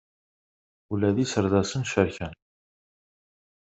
Ula d iserdasen cerken.